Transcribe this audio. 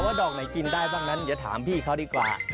ดอกไหนกินได้บ้างนั้นเดี๋ยวถามพี่เขาดีกว่า